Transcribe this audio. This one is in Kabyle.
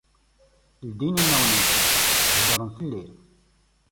Leddin imawen-nsen, heddren fell-i.